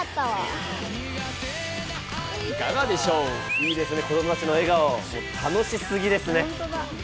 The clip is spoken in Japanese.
いいですね、子供たちの笑顔楽しすぎですね。